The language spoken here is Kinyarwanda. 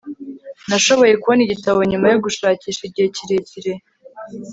nashoboye kubona igitabo nyuma yo gushakisha igihe kirekire